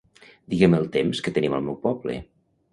Digue'm el temps que tenim al meu poble.